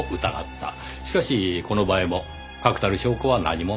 しかしこの場合も確たる証拠は何もない。